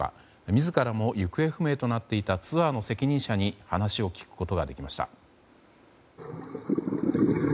自らも行方不明となっていたツアーの責任者に話を聞くことができました。